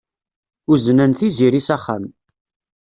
Uznen Tiziri s axxam.